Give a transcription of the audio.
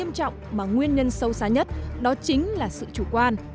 hậu quả nghiêm trọng mà nguyên nhân sâu xa nhất đó chính là sự chủ quan